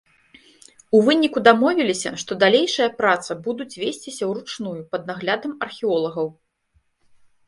У выніку дамовіліся, што далейшая праца будуць весціся ўручную пад наглядам археолагаў.